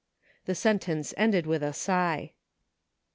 The sen tence ended with a sigh.